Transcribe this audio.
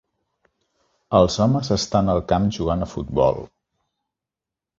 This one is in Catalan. Els homes estan al camp jugant a futbol.